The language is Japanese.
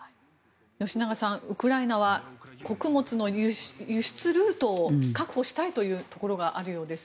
吉永さん、ウクライナは穀物の輸出ルートを確保したいというところがあるようです。